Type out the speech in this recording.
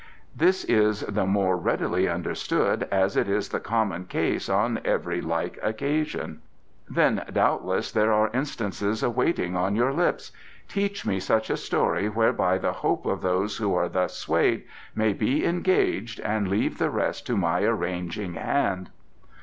"This is the more readily understood as it is the common case on every like occasion." "Then doubtless there are instances waiting on your lips. Teach me such a story whereby the hope of those who are thus swayed may be engaged and leave the rest to my arranging hand."